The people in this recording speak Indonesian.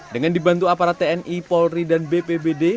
dengan dibantu aparat tni polri dan bpbd